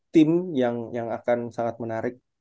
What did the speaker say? tim yang akan sangat menarik